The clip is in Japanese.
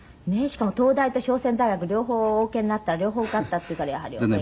しかも東大と商船大学両方お受けになったら両方受かったっていうからやはりお勉強。